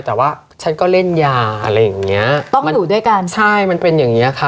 แต่ว่าฉันก็เล่นยาอะไรอย่างเงี้ยต้องมาอยู่ด้วยกันใช่มันเป็นอย่างเงี้ค่ะ